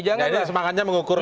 janganlah jadi semangatnya mengukur